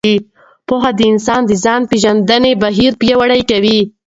پوهه د انسان د ځان پېژندنې بهیر پیاوړی کوي.